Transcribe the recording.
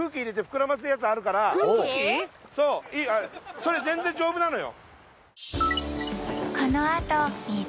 ・それ全然丈夫なのよ。